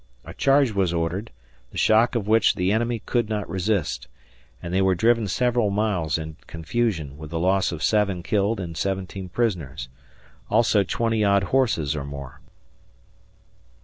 A charge was ordered, the shock of which the enemy could not resist; and they were driven several miles in confusion, with the loss of seven killed, and 17 prisoners; also 20 odd horses or more.